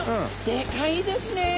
でかいですね。